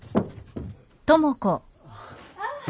ああ！